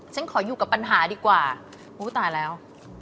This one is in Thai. ฉันขออยู่กับปัญหาดีกว่าอู้ตายแล้ว